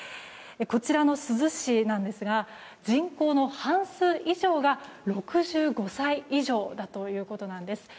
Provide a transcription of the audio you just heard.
こちらの珠洲市ですが人口の半数以上が６５歳以上だということです。